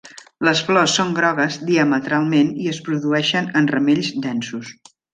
Les flors són grogues diametralment i es produeixen en ramells densos.